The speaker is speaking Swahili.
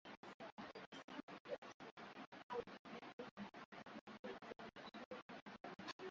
jina Frumensyo alipata haraka sifa za kuwa mwenye elimu na hekima